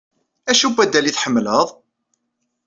Acu n waddal ay tḥemmleḍ?